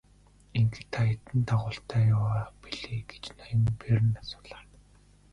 Ингэхэд та хэдэн дагуултай яваа билээ гэж ноён Берн асуулаа.